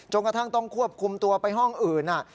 กระทั่งต้องควบคุมตัวไปห้องอื่น